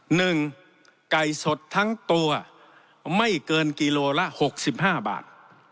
หนึ่งไก่สดทั้งตัวไม่เกินกิโลละหกสิบห้าบาท